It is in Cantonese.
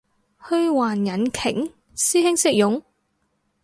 虛幻引擎？師兄識用？